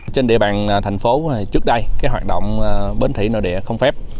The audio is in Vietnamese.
trên địa bàn thành phố trước đây hoạt động bến thủy nội địa không phép